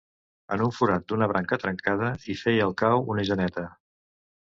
En un forat d'una branca trencada hi feia el cau una geneta.